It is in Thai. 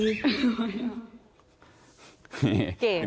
เก่งเนอะ